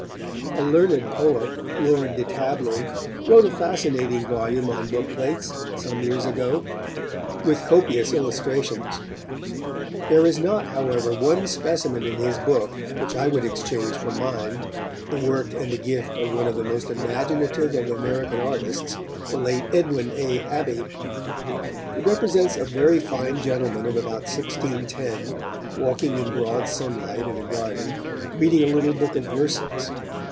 A learned poet, Lord De Tabley, wrote a fascinating volume on book plates, some years ago, with copious illustrations. There is not, however, one specimen in his book which I would exchange for mine, the work and the gift of one of the most imaginative of American artists, the late Edwin A. Abbey. It represents a very fine gentleman of about 1610, walking in broad sunlight in a garden, reading a little book of verses.